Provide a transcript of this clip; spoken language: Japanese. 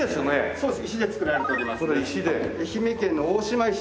そうです。